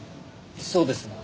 そうですが。